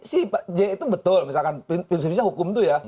si j itu betul misalkan prinsipisnya hukum itu ya